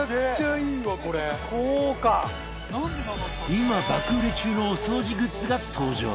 今爆売れ中のお掃除グッズが登場